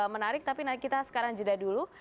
menarik tapi kita sekarang jeda dulu